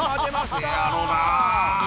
せやろな。